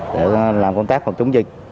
để làm công tác phòng chống dịch